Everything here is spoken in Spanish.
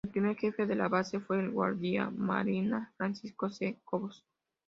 El primer jefe de la base fue el guardiamarina Francisco C. Cobos.